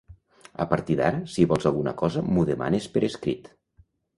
A partir d'ara, si vols alguna cosa, m'ho demanes per escrit.